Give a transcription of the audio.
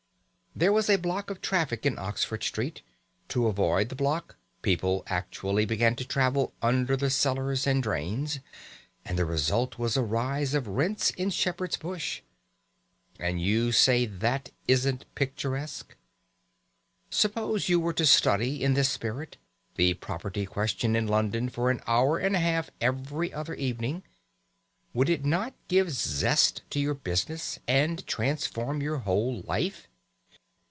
There was a block of traffic in Oxford Street; to avoid the block people actually began to travel under the cellars and drains, and the result was a rise of rents in Shepherd's Bush! And you say that isn't picturesque! Suppose you were to study, in this spirit, the property question in London for an hour and a half every other evening. Would it not give zest to your business, and transform your whole life?